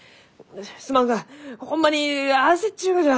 すまんがホンマに焦っちゅうがじゃ！